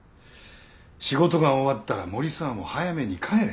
仕事が終わったら森澤も早めに帰れ。